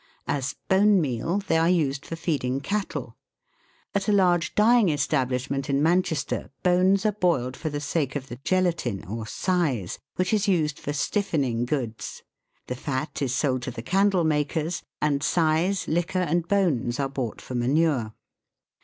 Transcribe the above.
As " bone meal," they are used for feeding cattle. At a large dyeing establishment in Manchester bones are boiled for the sake of the gelatine or size, which is used for stiffening goods, the fat is sold to the candle makers, and size, liquor, and bones, are bought for manure.